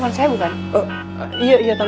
pake swiss atau apa